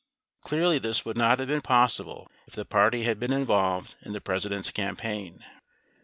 0 Clearly this would not have been possible if the party had been involved in the President's campaign.